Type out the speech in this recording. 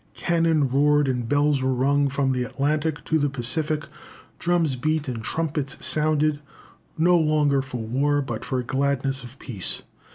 Cannon roared and bells were rung from the Atlantic to the Pacific; drums beat and trumpets sounded, no longer for war, but for gladness of peace.